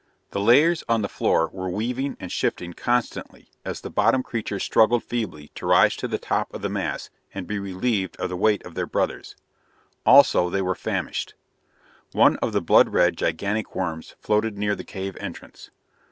The layers on the floor were weaving and shifting constantly as the bottom creatures struggled feebly to rise to the top of the mass and be relieved of the weight of their brothers. Also they were famished.... One of the blood red, gigantic worms floated near the cave entrance.